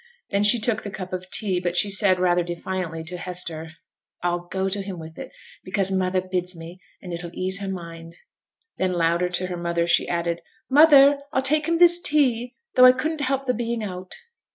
Then she took the cup of tea; but she said, rather defiantly, to Hester, 'I'll go to him with it, because mother bids me, and it'll ease her mind.' Then louder to her mother, she added, 'Mother, I'll take him his tea, though I couldn't help the being out.'